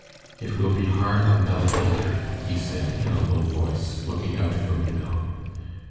"It will be hard on Bella Peter," he said, in a low voice, looking out of the window.